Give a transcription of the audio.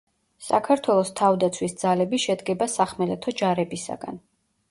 საქართველოს თავდაცვის ძალები შედგება სახმელეთო ჯარებისაგან.